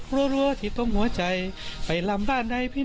เพลงที่สุดท้ายเสียเต้ยมาเสียชีวิตค่ะ